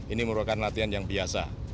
ini merupakan latihan yang biasa